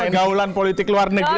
ini pergaulan politik luar negeri